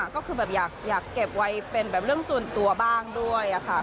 ก็คือแบบอยากเก็บไว้เป็นแบบเรื่องส่วนตัวบ้างด้วยค่ะ